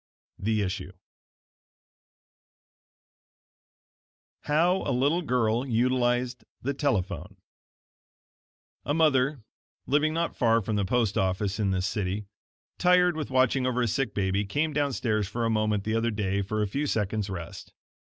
The Issue How a Little Girl Utilized the Telephone A mother living not very far from the post office in this city, tired with watching over a sick baby, came down stairs for a moment the other day for a few second's rest.